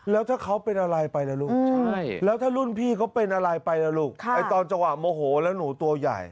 แล้วถ้าเขาเป็นอะไรไปล่ะลูกแล้วถ้ารุ่นพี่เขาเป็นอะไรไปล่ะลูกตอนจังหวะโมโหแล้วหนูตัวใหญ่